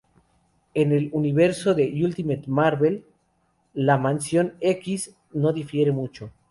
En el universo de Ultimate Marvel, la Mansión-X no difiere mucho.